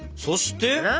そして？